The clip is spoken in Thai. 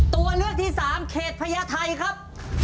ตัวเลือกที่สามเขตพญาไทยครับ